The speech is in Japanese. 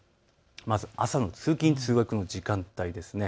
まず朝の通勤通学の時間帯です。